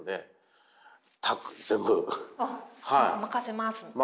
任せますみたいな？